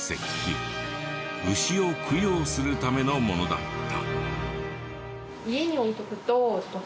牛を供養するためのものだった。